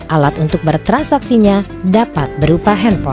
alat untuk bertransaksinya dapat berupa handphone